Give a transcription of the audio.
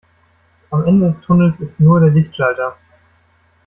Am Ende des Tunnels ist nur der Lichtschalter.